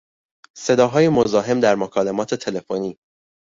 صداهای مزاحم در مکالمات تلفنی